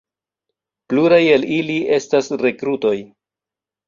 Pluraj el ili estas rekrutoj.